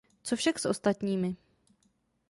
Co však s ostatními?